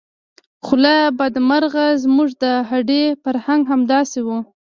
خو له بده مرغه زموږ د هډې فرهنګ همداسې و.